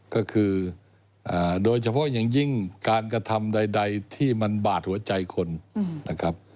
ก็คือโดยเฉพาะอย่างยิ่งการกระทำใดที่มันบาดหัวใจคนนะครับ